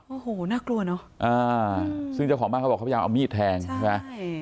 โอ้โหน่ากลัวเนอะอ่าซึ่งเจ้าของบ้านเขาบอกเขาพยายามเอามีดแทงใช่ไหม